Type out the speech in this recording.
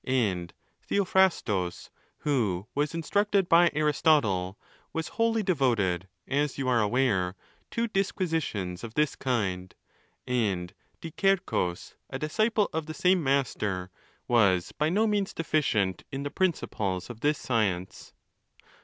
And Theophrastus, who was instructed by; 'Aristotle, was wholly devoted, as you are aware, to disquisi tions of this kind; and Diczearchuus, a disciple of the same 'master, was by no means deficient in the principles of this science.